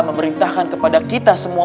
memerintahkan kepada kita semua